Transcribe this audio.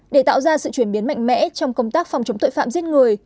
để tạo ra sự chuyển biến mạnh mẽ trong công tác phòng chống tội phạm giết người